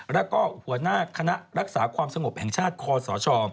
แล้วก็หัวหน้าคณะรักษาความสงบแห่งชาติคอสช